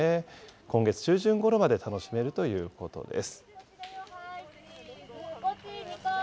今月中旬ごろまで楽しめるということです。